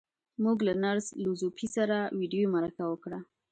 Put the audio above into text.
موږ له نرس لو ځو پي سره ويډيويي مرکه وکړه.